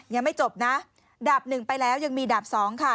ยังไม่จบนะดับ๑ไปแล้วยังมีดับ๒ค่ะ